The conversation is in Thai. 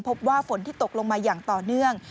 พบว่าฝนที่ตกลงมาอย่างต่อเนื่อง